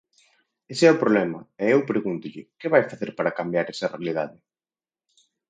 Ese é o problema, e eu pregúntolle, ¿que vai facer para cambiar esa realidade?